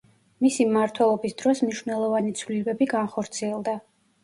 მისი მმართველობის დროს მნიშვნელოვანი ცვლილებები განხორციელდა.